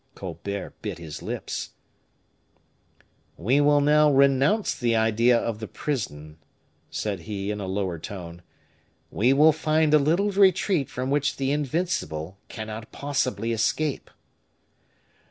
Colbert bit his lips. "We will renounce the idea of the prison," said he, in a lower tone: "we will find a little retreat from which the invincible cannot possibly escape."